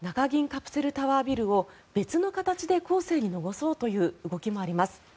カプセルタワービルを別の形で後世に残そうという動きもあります。